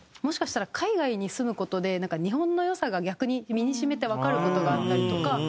もしかしたら海外に住む事で日本の良さが逆に身に染みてわかる事があったりとか